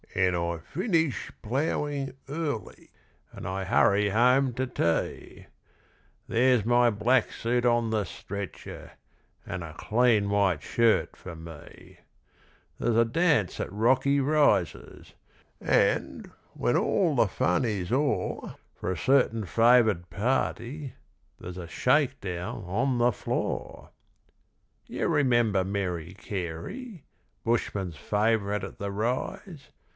And I finish ploughing early, And I hurry home to tea There's my black suit on the stretcher, And a clean white shirt for me; There's a dance at Rocky Rises, And, when all the fun is o'er, For a certain favoured party There's a shake down on the floor. You remember Mary Carey, Bushmen's favourite at the Rise?